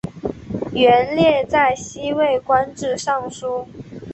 元烈在西魏官至尚书。